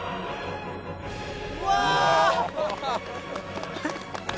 うわーっ！